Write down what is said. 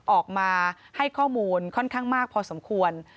ออกมาให้ข้อมูลค่อนข้างมากพอสมควร